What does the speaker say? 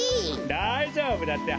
だいじょうぶだって！